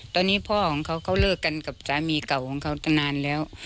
ตอนนี้พ่อของเขาเขาเลิกกันกับสามีเก่าของเขาตั้งนานแล้ว